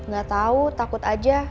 gak tau takut aja